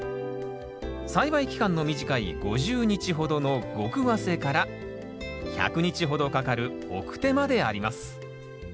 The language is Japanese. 栽培期間の短い５０日ほどの極早生から１００日ほどかかる晩生まであります